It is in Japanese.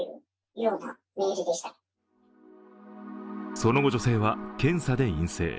その後、女性は検査で陰性。